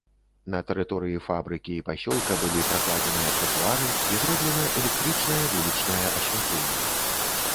На тэрыторыі фабрыкі і пасёлка былі пракладзеныя тратуары і зроблена электрычнае вулічнае асвятленне.